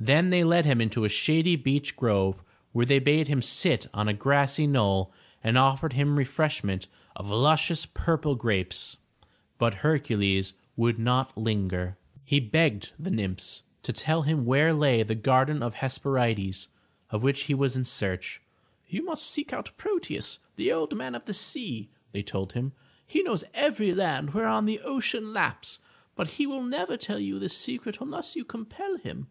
Then they led him into a shady beech grove, where they bade him sit on a grassy knoll and offered him refresh ment of luscious purple grapes. But Hercules would not linger. 430 THE TREASURE CHEST He begged the nymphs to tell him where lay the Garden of the Hesperides of which he was in search. "You must seek out Proteus, the Old Man of the Sea/' they told him. "He knows every land whereon the ocean laps, but he will never tell you this secret unless you compel him.